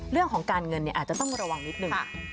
เรื่องของการเงินอาจจะต้องระวังนิดนึง